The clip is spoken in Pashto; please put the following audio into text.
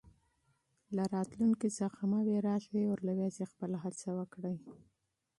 له راتلونکي څخه مه وېرېږئ او یوازې خپله هڅه وکړئ.